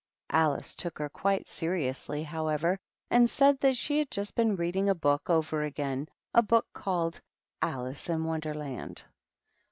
Alice took her quite seriously, however, and said that she had just been reading over again a book called Alice in Wonderland.